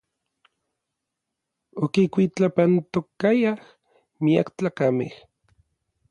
Okikuitlapantokayaj miak tlakamej.